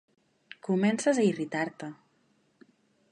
Comences a irritar-te.